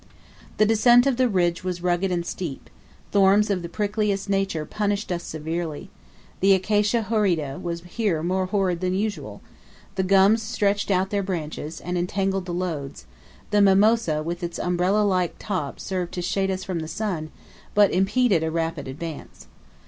The ascent of the ridge was rugged and steep, thorns of the prickliest nature punished us severely, the acacia horrida was here more horrid than usual, the gums stretched out their branches, and entangled the loads, the mimosa with its umbrella like top served to shade us from the sun, but impeded a rapid advance.